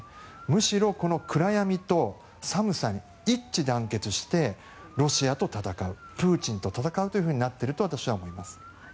むしろこの暗闇と寒さに一致団結してロシアと戦うプーチンと戦うとなっていると私は思います。